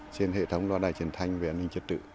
trên hệ thống loa đài truyền thanh về an ninh trật tự